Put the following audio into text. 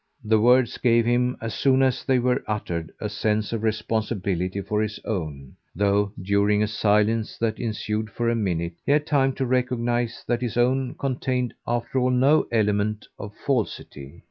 The words gave him, as soon as they were uttered, a sense of responsibility for his own; though during a silence that ensued for a minute he had time to recognise that his own contained after all no element of falsity.